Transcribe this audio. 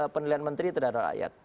penilaian menteri terhadap rakyat